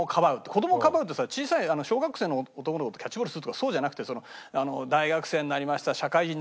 子どもを構うってさ小さい小学生の男の子とキャッチボールするとかそうじゃなくて大学生になりました社会人になりました